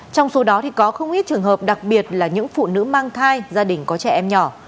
trong số đó thì có không ít trường hợp đặc biệt là những phụ nữ mang thai gia đình có trẻ em nhỏ